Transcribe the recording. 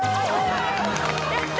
やった。